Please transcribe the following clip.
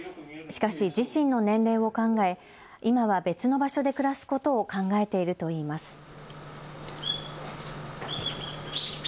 しかし自身の年齢を考え今は別の場所で暮らすことを考えているといいます。